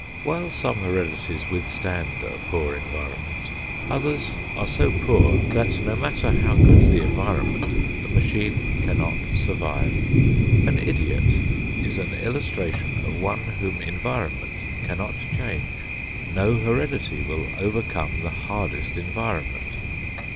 While some heredities withstand a poor environment, others are so poor that, no matter how good the environment, the machine cannot survive. An idiot is an illustration of one whom environment cannot change. No heredity will overcome the hardest environment.